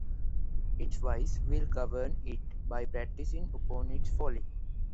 Its vice will govern it, by practising upon its folly.